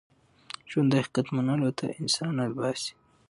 ژوند د حقیقت منلو ته انسان اړ باسي.